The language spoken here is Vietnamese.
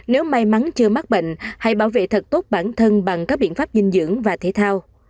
nếu may mắn chưa mắc bệnh hãy bảo vệ thật tốt bản thân bằng các biện pháp dinh dưỡng và thể thao